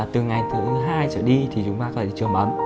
từ ngày thứ hai trở đi thì chúng ta có thể chờ ấm